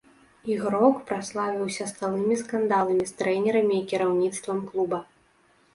Ігрок праславіўся сталымі скандаламі з трэнерамі і кіраўніцтвам клуба.